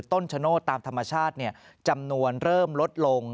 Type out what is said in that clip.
ชโนธตามธรรมชาติจำนวนเริ่มลดลง